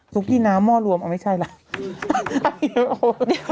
ศุกริน้ำม่อรวมไม่ใช่แหละ